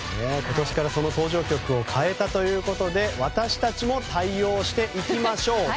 今年から登場曲を変えたということで私たちも対応していきましょう。